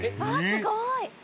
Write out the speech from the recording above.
すごい！